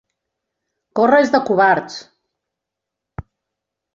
Córrer és de covards!